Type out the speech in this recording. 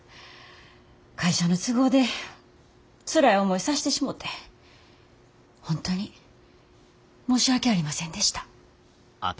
会社の都合でつらい思いさしてしもて本当に申し訳ありませんでした。